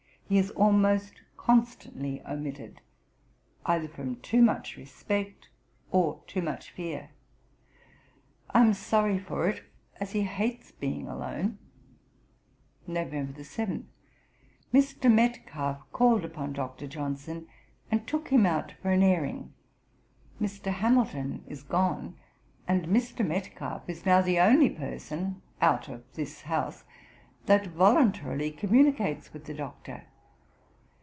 He is almost constantly omitted, either from too much respect or too much fear. I am sorry for it, as he hates being alone.' Ib. p. 160. 'Nov. 7. Mr. Metcalfe called upon Dr. Johnson, and took him out an airing. Mr. Hamilton is gone, and Mr. Metcalfe is now the only person out of this house that voluntarily communicates with the Doctor.